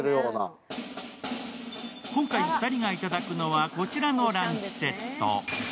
今回２人がいただくのはこちらのランチセット。